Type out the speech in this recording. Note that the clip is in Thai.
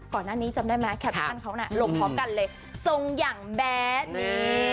ก่อนหน้านี้จำได้ไหมแคปชั่นเขาน่ะลงพร้อมกันเลยทรงอย่างแบดนี่